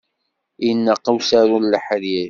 Ineqq usaru n leḥrir?